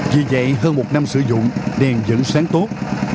vì vậy hơn một năm sử dụng đèn vẫn sáng tốt